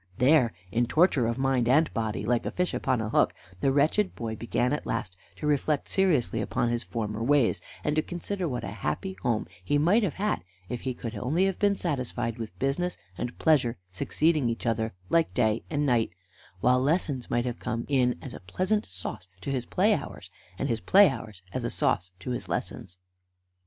There, in torture of mind and body, like a fish upon a hook, the wretched boy began at last to reflect seriously upon his former ways, and to consider what a happy home he might have had, if he could only have been satisfied with business and pleasure succeeding each other, like day and night, while lessons might have come in as a pleasant sauce to his play hours, and his play hours as a sauce to his lessons.